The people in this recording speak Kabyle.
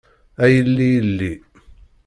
A yelli yelli.